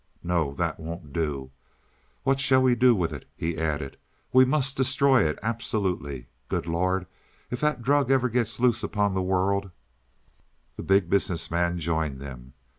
"No, that won't do. What shall we do with it?" he added. "We must destroy it absolutely. Good Lord, if that drug ever gets loose upon the world " The Big Business Man joined them.